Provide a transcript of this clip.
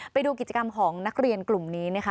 ไปดูกิจกรรมของนักเรียนกลุ่มนี้นะคะ